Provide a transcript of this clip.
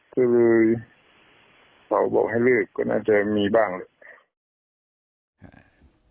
เพราะว่าบอกให้เรือก็น่าจะมีบ้างเลย